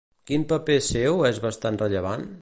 Quin paper seu és bastant rellevant?